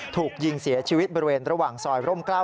ถูกยิงเสียชีวิตบริเวณระหว่างซอยร่ม๙